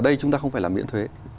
đây chúng ta không phải là miễn thuế